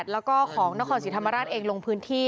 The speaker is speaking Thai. แล้วก็ของนครศรีธรรมราชเองลงพื้นที่